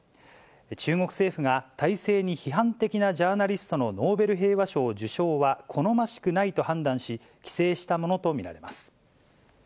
中国政府が、体制に批判的なジャーナリストのノーベル平和賞受賞は好ましくないと判断し、規制したものと見られます。